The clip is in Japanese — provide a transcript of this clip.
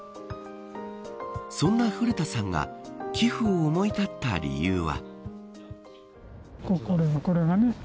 そんな古田さんが寄付を思い立った理由は。